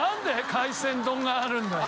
海鮮丼があるんだよ